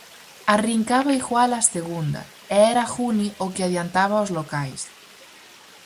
Arrincaba igual a segunda, e era Juni o que adiantaba aos locais.